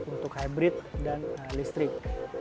untuk hybrid dan listrik